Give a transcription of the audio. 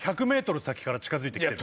１００ｍ先から近づいて来てる。